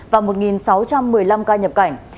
và một sáu trăm một mươi năm ca nhập cảnh